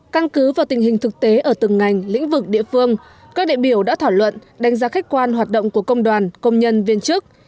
căn cứ vào tình hình thực tế ở từng ngành lĩnh vực địa phương các đại biểu đã thảo luận đánh giá khách quan hoạt động của công đoàn công nhân viên chức